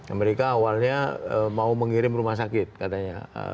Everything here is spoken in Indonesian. amerika awalnya mau mengirim rumah sakit katanya